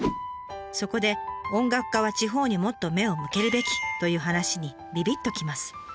そこで「音楽家は地方にもっと目を向けるべき」という話にビビッと来ます。